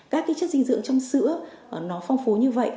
các chất dinh dưỡng trong sữa phong phú như vậy